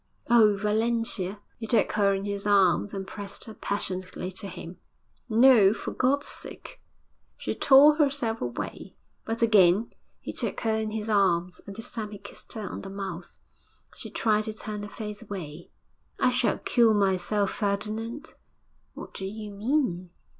'Oh, Valentia!' He took her in his arms and pressed her passionately to him. 'No, for God's sake!' She tore herself away. But again he took her in his arms, and this time he kissed her on the mouth. She tried to turn her face away. 'I shall kill myself, Ferdinand!' 'What do you mean?'